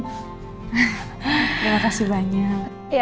terima kasih banyak